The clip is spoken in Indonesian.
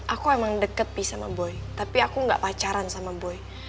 aku emang deket nih sama boy tapi aku gak pacaran sama boy